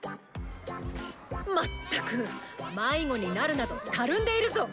全く迷子になるなどたるんでいるぞ！